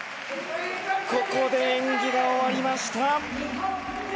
ここで演技が終わりました。